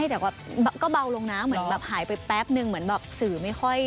แต่ว่าก็เบาลงนะเหมือนแบบหายไปแป๊บนึงเหมือนแบบสื่อไม่ค่อย